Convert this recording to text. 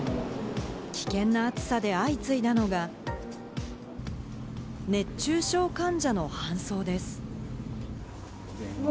危険な暑さで相次いだのが、熱中症患者の搬送です。